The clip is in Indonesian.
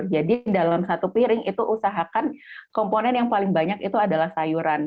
jadi dalam satu piring itu usahakan komponen yang paling banyak itu adalah sayuran